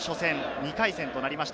２回戦となりました。